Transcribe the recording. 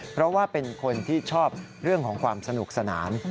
เพราะว่าเป็นคนที่ชอบเรื่องของความสนุกสนาน